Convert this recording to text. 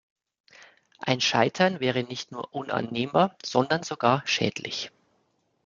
Ein Scheitern wäre nicht nur unannehmbar, sondern sogar schändlich.